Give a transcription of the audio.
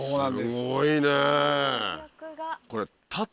すごいねぇ。